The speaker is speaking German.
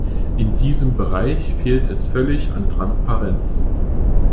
In diesem Bereich fehlt es völlig an Transparenz.